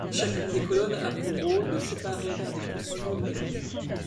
Chacune des colonnes a pour rôle de séparer l’un des constituants du mélange.